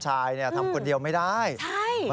ขอบคุณครับ